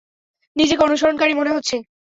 নিজেকে অনুসরণকারী মনে হচ্ছে!